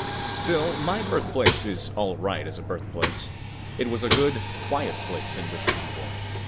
Still, my birthplace is all right as a birthplace. It was a good, quiet place in which to be born.